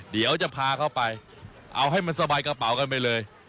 เดี๋ยวจะพาเขาไปเอาให้มันสบายกระเป๋ากันไปเลย